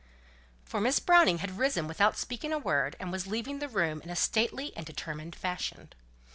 For Miss Browning had risen without speaking a word, and was leaving the room in a stately and determined fashion.